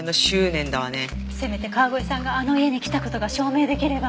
せめて川越さんがあの家に来た事が証明出来れば。